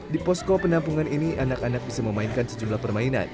di posko penampungan ini anak anak bisa memainkan sejumlah permainan